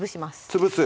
潰す